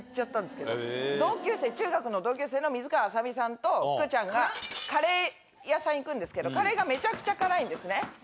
中学の同級生の水川あさみさんと福ちゃんがカレー屋さん行くんですけどカレーがめちゃくちゃ辛いんですね。